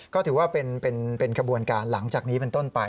ก็ถือว่าเป็นกระบวนการหลังจากนี้เป็นต้นไป